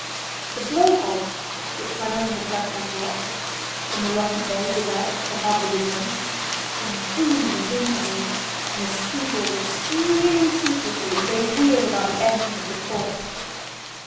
The blow hole, which ran under the Flagstaff Rock, from the rocky bay without to the harbour within, was booming at intervals, and the seagulls were screaming ceaselessly as they wheeled about the entrance of the port.